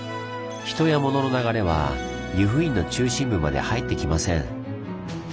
人やモノの流れは由布院の中心部まで入ってきません。